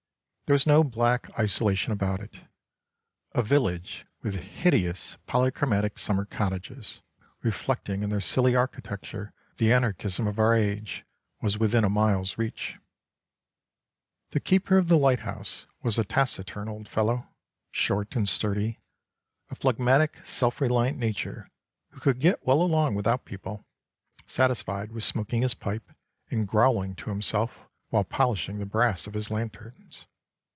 There was no black isolation about it. A village with hideous polychromatic summer cottages, reflecting in their silly architecture the anarchism of our age, was within a mile's reach. The keeper of the lighthouse was a taciturn old fellow, short and sturdy, a phlegmatic, self reliant nature who could get well along without people, satisfied with smoking his pipe and growling to himself while polishing the brass of his lanterns.